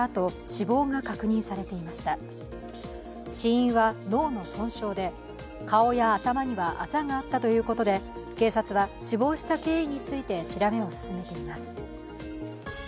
死因は脳の損傷で顔や頭にはあざがあったということで警察は死亡した経緯について調べを進めています。